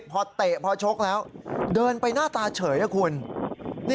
พอเตะพอชกแล้วเดินไปหน้าตาเฉยนะคุณ